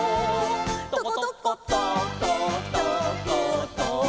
「とことことっことっこと」